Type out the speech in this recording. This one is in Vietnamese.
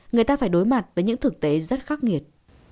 người ta phải đối mặt với những thực tế rất khắc nghiệt